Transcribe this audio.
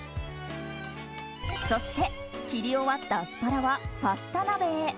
そして切り終わったアスパラはパスタ鍋へ。